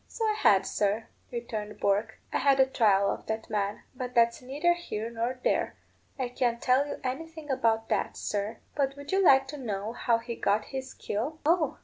"So I had, sir," returned Bourke. "I had a trial of that man. But that's neither here nor there. I can't tell you anything about that, sir. But would you like to know how he got his skill?" "Oh!